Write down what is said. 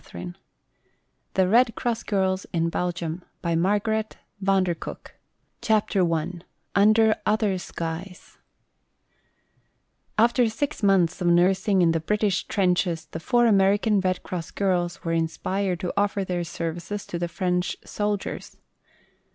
NOEL 258 THE RED CROSS GIRLS IN BELGIUM CHAPTER I Under Other Skies After six months of nursing in the British trenches the four American Red Cross girls were inspired to offer their services to the French soldiers.